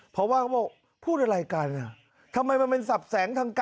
เพราะว่าเขาบอกพูดอะไรกันทำไมมันเป็นสับแสงทางกัน